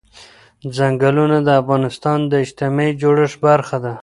ځنګلونه د افغانستان د اجتماعي جوړښت برخه ده.